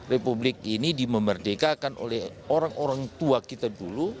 republik ini dimemberdekakan oleh orang orang tua kita dulu tanpa uang